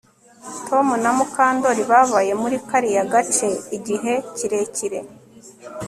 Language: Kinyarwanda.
Tom na Mukandoli babaye muri kariya gace igihe kirekire